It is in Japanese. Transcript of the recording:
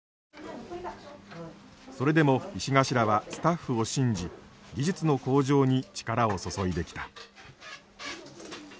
それでも石頭はスタッフを信じ技術の向上に力を注いできた。